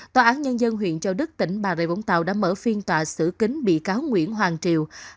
tòa án nhân dân huyện châu đức tỉnh bà rịa vũng tàu đã mở phiên tòa xử kính bị cáo nguyễn hoàng triều